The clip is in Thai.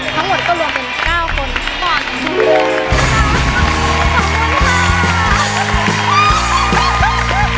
ทั้งหมดก็รวมเป็น๙คน